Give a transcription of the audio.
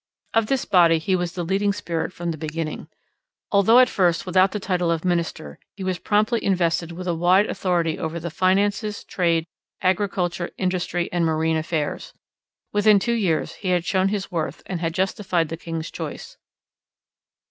Of this body he was the leading spirit from the beginning. Although at first without the title of minister, he was promptly invested with a wide authority over the finances, trade, agriculture, industry, and marine affairs. Within two years he had shown his worth and had justified the king's choice.